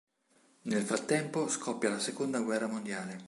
Nel frattempo scoppia la seconda guerra mondiale.